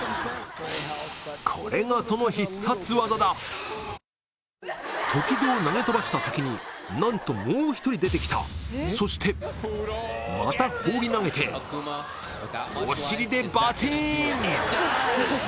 これがその必殺技だときどを投げ飛ばした先になんともう一人出て来たそしてまた放り投げてお尻でバチン！